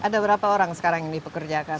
ada berapa orang sekarang yang dipekerjakan di sini